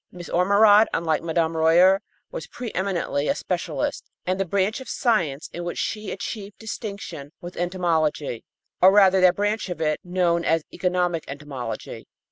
Miss Ormerod, unlike Mme. Royer, was preëminently a specialist, and the branch of science in which she achieved distinction was entomology, or rather that branch of it known as economic entomology.